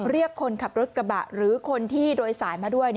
เรียกคนขับรถกระบะหรือคนที่โดยสารมาด้วย